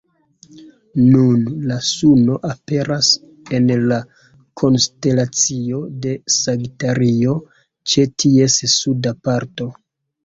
Nun, la suno aperas en la konstelacio de Sagitario, ĉe ties suda parto.